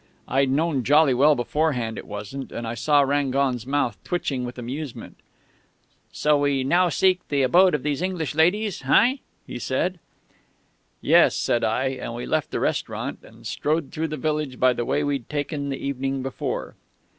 I'd known jolly well beforehand it wasn't, and I saw Rangon's mouth twitching with amusement. "'So we now seek the abode of these English ladies, hein?' he said. "'Yes,' said I; and we left the restaurant and strode through the village by the way we'd taken the evening before....